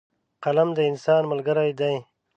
قلم د انسان ملګری دی.